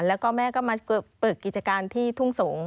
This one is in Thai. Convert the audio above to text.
แล้วก็แม่ก็มาฝึกกิจการที่ทุ่งสงศ